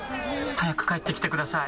早く帰ってきてください。